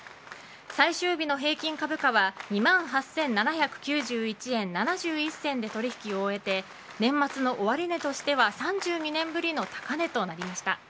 最終日の平均株価は２万８７９１円７１銭で取引を終えて年末の終値としては３２年ぶりの高値となりました。